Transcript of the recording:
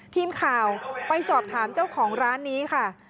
ทีมข่าวไปสอบถามเจ้าของร้านนี้ค่ะ